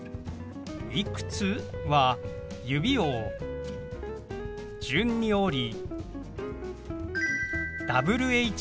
「いくつ？」は指を順に折りＷｈ